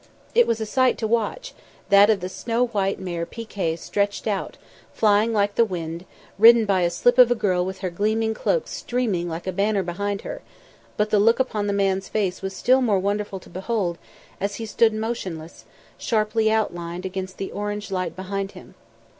It was a sight to watch, that of the snow white mare Pi Kay stretched out, flying like the wind, ridden by a slip of a girl with her gleaming cloak streaming like a banner behind her; but the look upon the man's face was still more wonderful to behold as he stood motionless, sharply outlined against the orange light behind him.